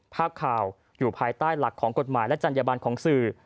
ภาพข่าวอยู่ภายใต้หลักของกฎหมายและจัญญบันของสื่อ